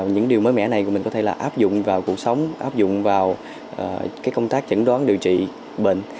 những điều mới mẻ này của mình có thể là áp dụng vào cuộc sống áp dụng vào công tác chẩn đoán điều trị bệnh